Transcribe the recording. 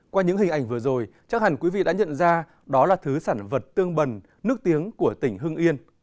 qua những hình ảnh vừa rồi chắc hẳn quý vị đã nhận ra đó là thứ sản vật tương bần nước tiếng của tỉnh hưng yên